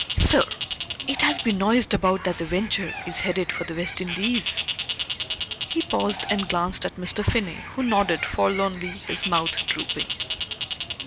"Sir, it has been noised about that the Venture is headed for the West Indies." He paused and glanced at Mr. Finney who nodded forlornly, his mouth drooping.